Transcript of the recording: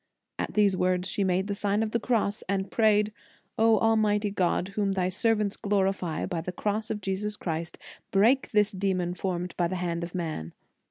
At these words she made the Sign of the Cross and prayed: "O Almighty God, whom thy servants glorify by the Cross of Jesus Christ, break this demon formed by the hand of man."